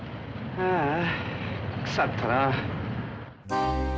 ああクサったな。